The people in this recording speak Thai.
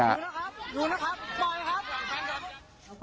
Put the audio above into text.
อยู่นะครับอยู่นะครับปล่อยนะครับ